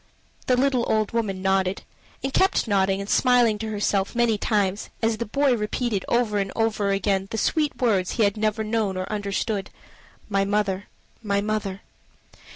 The little old woman nodded and kept nodding and smiling to herself many times, as the boy repeated over and over again the sweet words he had never known or understood "my mother my mother."